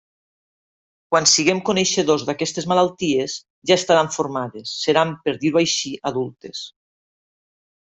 Quan siguem coneixedors d'aquestes malalties, ja estaran formades, seran, per dir-ho així, adultes.